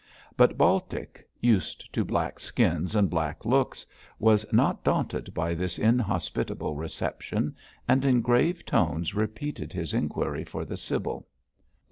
But Baltic, used to black skins and black looks, was not daunted by this inhospitable reception, and in grave tones repeated his inquiry for the sibyl.